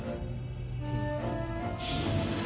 うん。